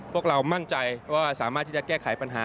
พวกเรามั่นใจว่าสามารถที่จะแก้ไขปัญหา